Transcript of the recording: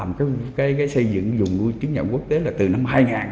một cái xây dựng dùng chứng nhận quốc tế là từ năm hai nghìn